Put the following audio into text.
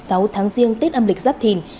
đến ngày sáu tháng riêng tết âm lịch giáp thìn